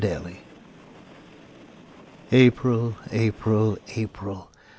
APRIL April! April! April!